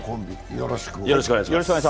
よろしくお願いします。